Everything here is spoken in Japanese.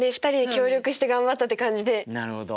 なるほど。